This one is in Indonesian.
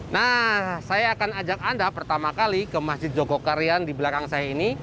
nah saya akan ajak anda pertama kali ke masjid jogokarian di belakang saya ini